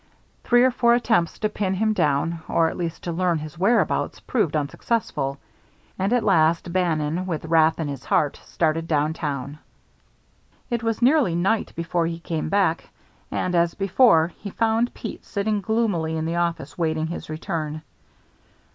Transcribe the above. Three or four attempts to pin him down, or at least to learn his whereabouts, proved unsuccessful, and at last Bannon, with wrath in his heart, started down town. It was nearly night before he came back, and as before, he found Pete sitting gloomily in the office waiting his return.